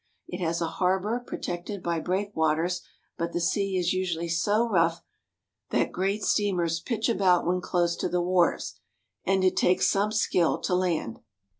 It has a harbor protected by breakwaters, but the sea is usually so rough that great steamers pitch about when close to the wharves, and it takes some skill to land.